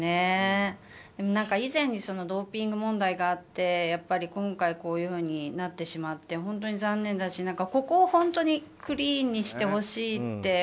以前にドーピング問題があって今回こういうふうになってしまって本当に残念だしここをクリーンにしてほしいって。